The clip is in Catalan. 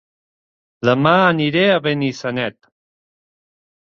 Dema aniré a Benissanet